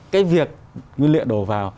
cái việc nguyên liệu đổ vào